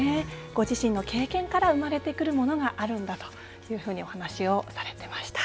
ご自身の経験から生まれてくるものがあるんだというふうにお話をされていました。